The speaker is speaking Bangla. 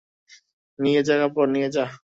নিয়ে যা কাপড়, নিয়ে যা।